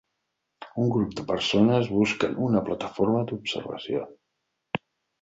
Un grup de persones busquen una plataforma d'observació.